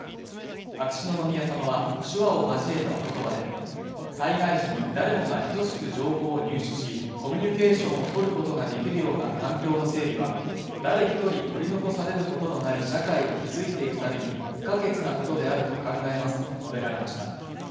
秋篠宮さまは手話を交えたおことばで災害時に誰もが等しく情報を入手しコミュニケーションをとることができるような環境の整備は誰一人取り残されることのない社会を築いていくために不可欠なことであると考えますと述べられました。